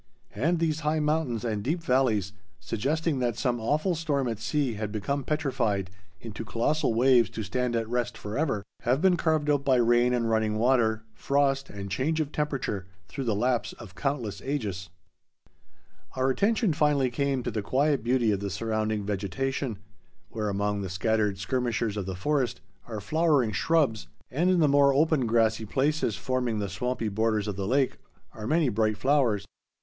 And these high mountains and deep valleys, suggesting that some awful storm at sea had become petrified into colossal waves to stand at rest forever, have been carved out by rain and running water, frost and change of temperature, through the lapse of countless ages. [Illustration: Lake Louise.] Our attention finally came to the quiet beauty of the surrounding vegetation, where among the scattered skirmishers of the forest are flowering shrubs, and in the more open grassy places forming the swampy borders of the lake, are many bright flowers.